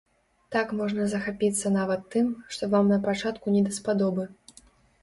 Так можна захапіцца нават тым, што вам напачатку не даспадобы.